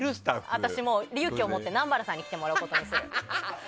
私、勇気を持って南原さんに来てもらうことにする。